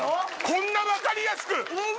こんな分かりやすく！